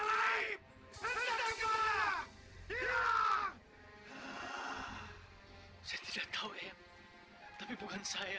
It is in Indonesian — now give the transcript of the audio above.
saya tidak tahu ayam tapi bukan saya